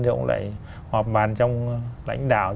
thì ông lại họp bàn trong lãnh đạo